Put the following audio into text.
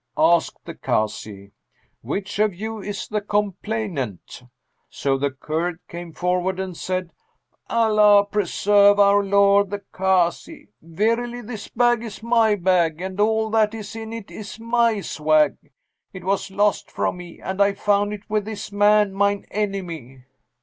Asked the Kazi, 'Which of you is the complainant?'; so the Kurd came forward[FN#212] and said, 'Allah preserve our lord the Kazi! Verily, this bag is my bag and all that is in it is my swag. It was lost from me and I found it with this man mine enemy.'